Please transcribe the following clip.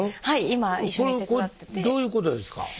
はい今一緒に手伝っててどういうことですか？